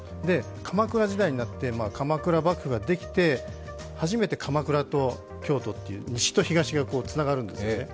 鎌倉時代になって鎌倉幕府ができて初めて鎌倉と京都、西と東がつながるんですね。